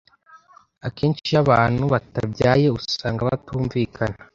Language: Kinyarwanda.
Akenshi iyo abantu batabyaye usanga batumvikana